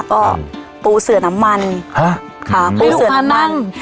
ก็ปูเสือน้ำมันฮะค่ะปูเสือน้ำมันให้ลูกค้านั่ง